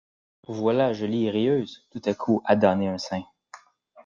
Vous voilà jolie et rieuse, tout à coup, à damner un saint.